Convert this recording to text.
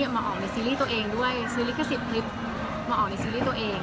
มาออกในซีรีส์ตัวเองด้วยซื้อลิขสิทธิ์คลิปมาออกในซีรีส์ตัวเอง